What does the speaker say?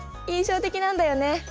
印象的なんだよね。